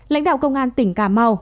lãnh đạo công an tỉnh cà mau